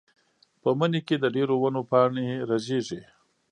په مني کې د ډېرو ونو پاڼې رژېږي.